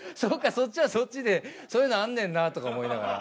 そっちはそっちでそういうのあんねんなとか思いながら。